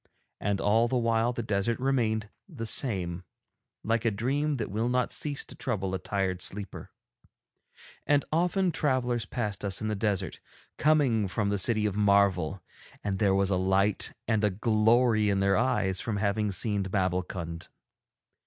And all the while the desert remained the same, like a dream that will not cease to trouble a tired sleeper. And often travellers passed us in the desert, coming from the City of Marvel, and there was a light and a glory in their eyes from having seen Babbulkund.